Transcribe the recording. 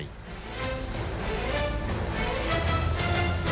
สวัสดีค่ะต้องรับคุณผู้ชมเข้าสู่ชูเวสตีศาสตร์หน้า